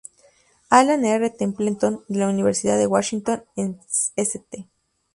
Alan R. Templeton, de la Universidad de Washington en St.